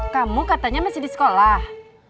kamu katanya masih di sekolah